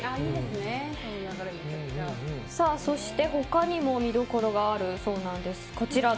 そして、他にも見どころがあるそうなんです。